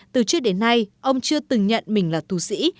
từ trước đến nay ông chưa từng nhận mình là thù sĩ